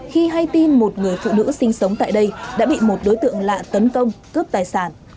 khi hay tin một người phụ nữ sinh sống tại đây đã bị một đối tượng lạ tấn công cướp tài sản